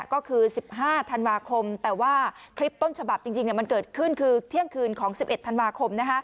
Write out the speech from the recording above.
ก็คือ๑๕ธันวาคมแต่ว่าคลิปต้นฉบับจริงมันเกิดขึ้นคือเที่ยงคืนของ๑๑ธันวาคม